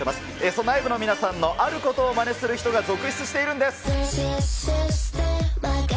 そんなＩＶＥの皆さんのあることをまねする人が続出しているんです。